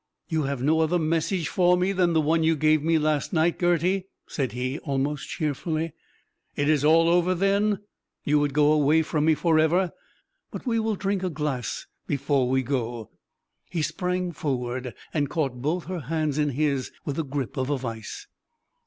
"You have no other message for me than the one you gave me last night, Gerty?" said he, almost cheerfully. "It is all over, then? You would go away from me forever? But we will drink a glass before we go!" He sprang forward, and caught both her hands in his with the grip of a vise.